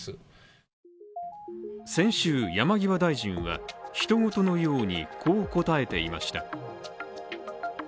先週、山際大臣はひと事のようにこう答えていました。